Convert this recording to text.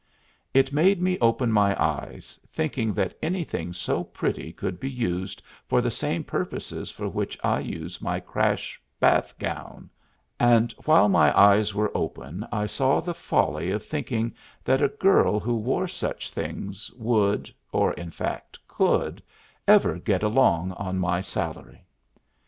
It made me open my eyes, thinking that anything so pretty could be used for the same purposes for which I use my crash bath gown, and while my eyes were open I saw the folly of thinking that a girl who wore such things would, or in fact could, ever get along on my salary.